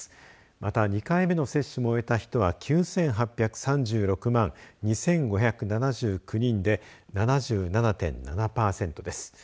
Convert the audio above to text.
また、２回目の接種も終えた人は９８３６万２５７９人で７７．７パーセントです。